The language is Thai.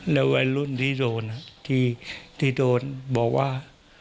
แล้ววัยรุ่นที่โดนที่โดนบอกว่า